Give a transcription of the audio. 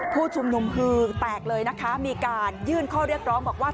ผู้ชุมนุมคือแตกเลยนะคะมีการยื่นข้อเรียกร้องบอกว่า